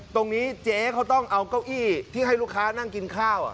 ตรงนี้เจ๊เขาต้องเอาเก้าอี้ที่ให้ลูกค้านั่งกินข้าว